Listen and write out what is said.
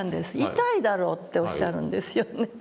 「痛いだろう」っておっしゃるんですよね。